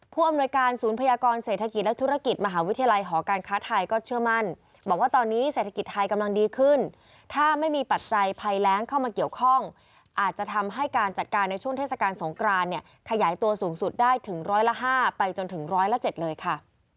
อำนวยการศูนย์พยากรเศรษฐกิจและธุรกิจมหาวิทยาลัยหอการค้าไทยก็เชื่อมั่นบอกว่าตอนนี้เศรษฐกิจไทยกำลังดีขึ้นถ้าไม่มีปัจจัยภัยแรงเข้ามาเกี่ยวข้องอาจจะทำให้การจัดการในช่วงเทศกาลสงกรานเนี่ยขยายตัวสูงสุดได้ถึงร้อยละ๕ไปจนถึงร้อยละ๗เลยค่ะ